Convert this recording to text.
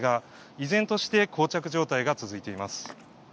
依然として膠着状態が続いています。